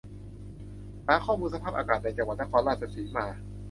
หาข้อมูลสภาพอากาศในจังหวัดนครราชสีมา